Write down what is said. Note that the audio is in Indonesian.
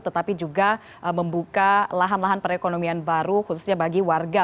tetapi juga membuka lahan lahan perekonomian baru khususnya bagi warga